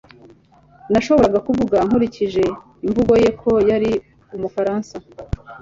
Nashoboraga kuvuga nkurikije imvugo ye ko yari Umufaransa